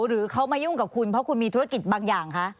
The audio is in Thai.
หรือเขามายุ่งกับคุณเพราะคุณมีธุรกิจบางอย่างคะ